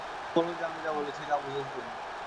শুধু বলো যে, আমি যা বলেছি, তা বুঝেছ তুমি।